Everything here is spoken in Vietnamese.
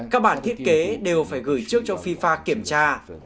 các bản thiết kế đều phải gửi trước cho fifa kiểm tra